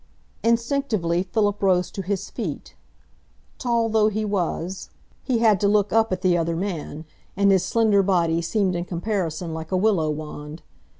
Instinctively Philip rose to his feet. Tall though he was, he had to look up at the other man, and his slender body seemed in comparison like a willow wand.